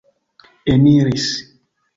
eniris